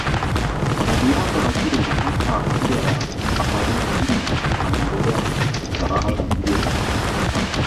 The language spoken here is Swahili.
Wanariadha wa Kenya hasa wa kabila la Wakalenjin wanaendelea kutawala mbio za masafa